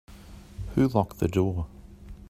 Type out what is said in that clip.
Who locked the door?